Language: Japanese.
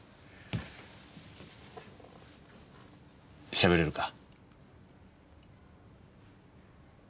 しゃべれるか？